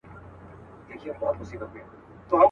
ډېر زلمي به ما غوندي په تمه سي زاړه ورته.